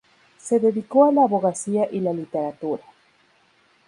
Se dedicó a la abogacía y la literatura.